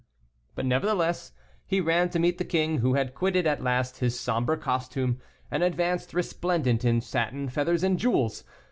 But, nevertheless, he ran to meet the king, who had quitted at last his somber costume, and advanced resplendent in satin, feathers, and jewels.